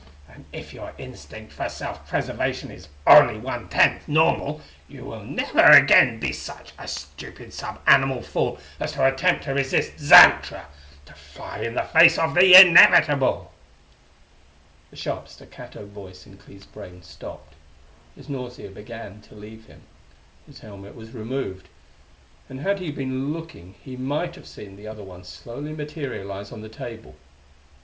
And if your instinct for self preservation is only one tenth normal, you will never again be such a stupid sub animal fool as to attempt to resist Xantra to fly in the face of the inevitable!" The sharp, staccato voice in Clee's brain stopped; his nausea began to leave him; his helmet was removed; and had he been looking he might have seen the other one slowly materialize on the table.